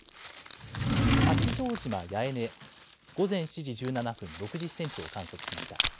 八丈島八重根、午前７時１７分、６０センチを観測しました。